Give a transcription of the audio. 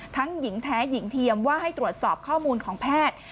หญิงแท้หญิงเทียมว่าให้ตรวจสอบข้อมูลของแพทย์